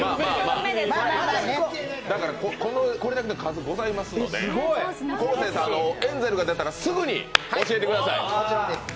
これだけの数、ございますので昴生さん、エンゼルが出たらすぐに教えてください